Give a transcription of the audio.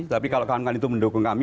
tapi kalau kawan kawan itu mendukung kami